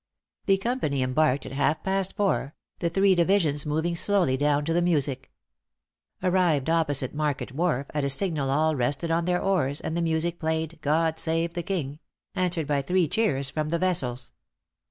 The company embarked at halfpast four, the three divisions moving slowly down to the music. Arrived opposite Market wharf, at a signal all rested on their oars, and the music played "God save the king," answered by three cheers from the vessels.